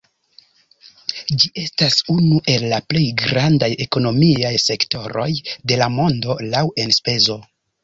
Ĝi estas unu el la plej grandaj ekonomiaj sektoroj de la mondo laŭ enspezo.